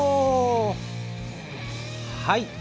はい。